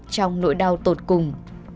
trong nội đau tổn thương